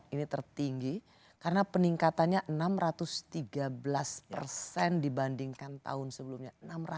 ini tertinggi karena peningkatannya enam ratus tiga belas persen dibandingkan tahun sebelumnya